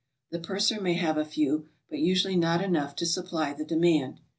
The purser may have a few, but usually not enough to supply the demand.